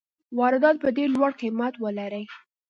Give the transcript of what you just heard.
واردات به ډېر لوړ قیمت ولري.